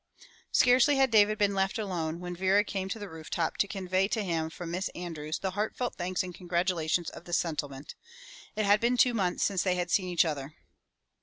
'* Scarcely had David been left alone, when Vera came to the rooftop to convey to him from Miss Andrews the heartfelt thanks and congratulations of the Settlement. It was two months since they had seen each other.